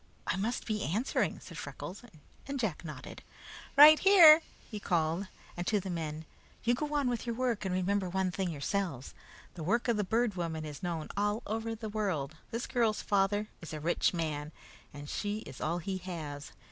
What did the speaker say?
"I must be answering," said Freckles, and Jack nodded. "Right here!" he called, and to the men: "You go on with your work, and remember one thing yourselves. The work of the Bird Woman is known all over the world. This girl's father is a rich man, and she is all he has.